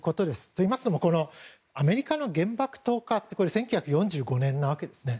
といいますのもアメリカの原爆投下って１９４５年なわけですね。